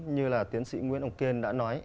như là tiến sĩ nguyễn ông kiên đã nói